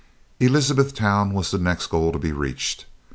Elizabethtown was the next goal to be reached.